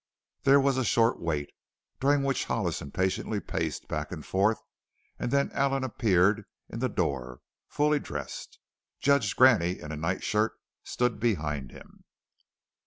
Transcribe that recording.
There was a short wait, during which Hollis impatiently paced back and forth and then Allen appeared in the door, fully dressed. Judge Graney, in a night shirt, stood behind him.